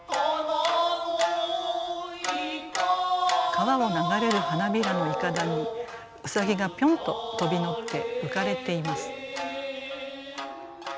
川を流れる花びらのいかだに兎がぴょんと飛び乗って浮かれています。